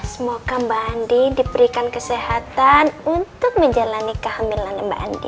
semoga mbak andi diberikan kesehatan untuk menjalani kehamilan mbak andi